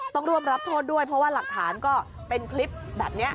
ต้องร่วมรับโทษด้วยเพราะว่าหลักฐานก็เป็นคลิปแบบนี้